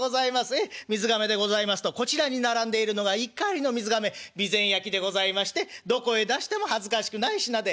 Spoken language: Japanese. ええ水がめでございますとこちらに並んでいるのが一荷入りの水がめ備前焼でございましてどこへ出しても恥ずかしくない品で」。